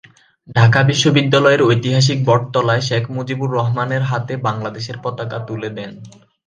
ঢাকা বিশ্ববিদ্যালয়ের ঐতিহাসিক বটতলায় শেখ মুজিবুর রহমানের হাতে বাংলাদেশের পতাকা তুলে দেন।